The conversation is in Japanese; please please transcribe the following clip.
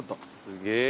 すげえ。